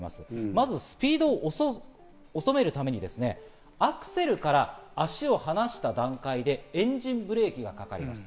まずスピードを遅めるためにアクセルから足を離した段階でエンジンブレーキがかかります。